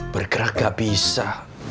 bergerak gak bisa